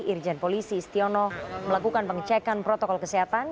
irjen polisi istiono melakukan pengecekan protokol kesehatan